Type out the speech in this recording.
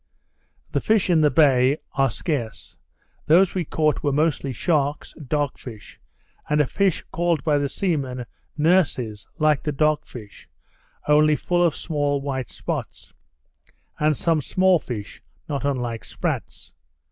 The fish in the bay are scarce; those we caught were mostly sharks, dog fish, and a fish called by the seamen nurses, like the dog fish, only full of small white spots; and some small fish not unlike sprats.